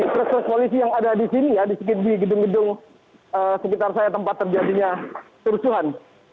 trus trus polisi yang ada di sini di gedung gedung sekitar saya tempat terjadinya tersuhan